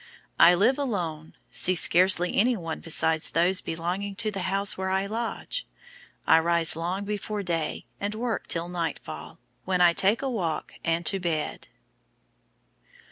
I live alone, see scarcely anyone besides those belonging to the house where I lodge. I rise long before day, and work till nightfall, when I take a walk and to bed."